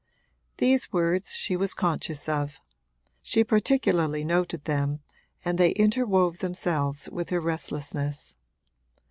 These words she was conscious of; she particularly noted them and they interwove themselves with her restlessness.